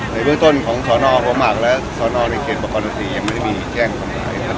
ในเบื้องต้นของสนฮและสนในเกษตรประกอบนักศึกษ์ยังไม่ได้มีแจ้งคนหลายครับ